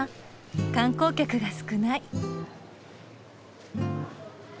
観光客が少ない。